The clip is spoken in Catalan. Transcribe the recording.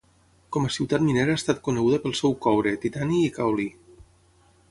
Com a ciutat minera ha estat coneguda pel seu coure, titani i caolí.